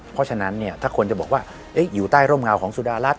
เพราะฉะนั้นถ้าคนจะบอกว่าอยู่ใต้ร่มเงาของสุดารัฐ